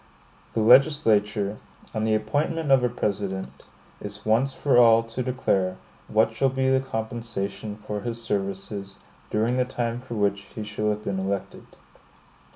The legislature, on the appointment of a President, is once for all to declare what shall be the compensation for his services during the time for which he shall have been elected.